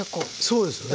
そうですよね。